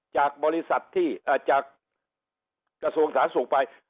จากบริษัทที่เอ่อจากกระทรวงศาสตร์สูงไป